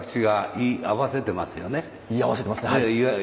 居合わせてますね。